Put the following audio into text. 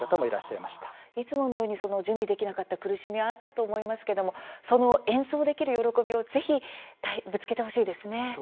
いつものように準備できなかった苦しみはあると思いますけれども演奏できる喜びをぜひぶつけてほしいですね。